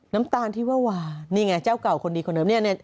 น้ำตาลที่ว่ะนี่ไงเจ้าเก่าคนดีคนเนิ่ม